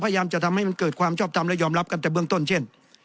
พยายามจะทำให้มันเกิดความชอบทำและยอมรับกันแต่เบื้องต้นเช่น